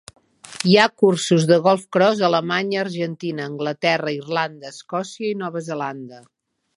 Hi ha cursos de GolfCross a Alemanya, Argentina, Anglaterra, Irlanda, Escòcia i Nova Zelanda.